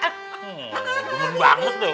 hmm lumayan banget tuh